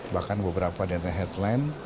bahkan beberapa data headline